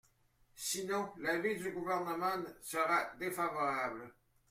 Sinon, l’avis du Gouvernement sera défavorable.